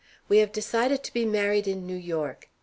We have decided to be married in New York.